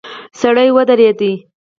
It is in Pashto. سړی ودرید.